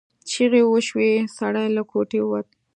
چیغې وشوې سړی له کوټې ووت.